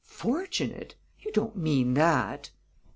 "Fortunate? You don't mean that!"